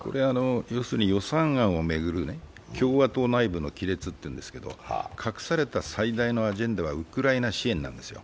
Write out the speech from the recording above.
予算案を巡る共和党内部の亀裂というんですけど、隠された最大のアジェンダはウクライナ支援なんですよ。